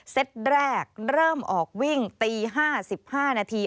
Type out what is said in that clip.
เต็ตแรกเริ่มออกวิ่งตี๕๕นาที